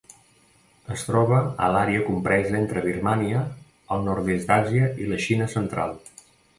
Es troba a l'àrea compresa entre Birmània, el nord-est d'Àsia i la Xina central.